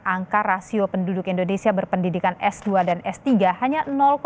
angka rasio penduduk indonesia berpendidikan s dua dan s tiga hanya empat